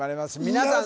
皆さん